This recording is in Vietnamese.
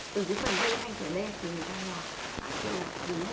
tức là từ phần dây hay phần dây từ phần dây ngọt từ phần dây ngọt chia